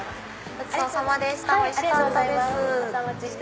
ごちそうさまでした。